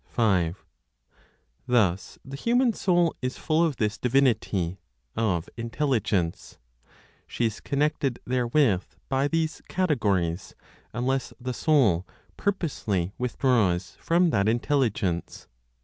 5. Thus the human soul is full of this divinity (of Intelligence); she is connected therewith by these (categories), unless the soul (purposely) withdraws from (that intelligence).